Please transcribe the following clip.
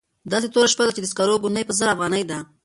داسې توره شپه ده چې د سکرو ګونۍ په زر افغانۍ ده.